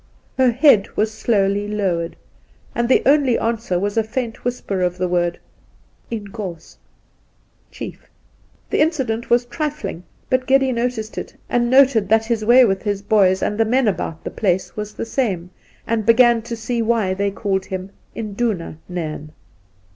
Her head was slowly lowered, and |the only ^answer was a faint whisper of the word, 'Inkos — chief!' The incident was trifling, but Geddy noticed it, and noted that his way with his boys and the men about the place was the same, and began to see why they called him ' Induna Nairn.'